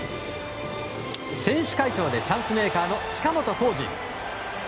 選手会長でチャンスメーカーの近本光司。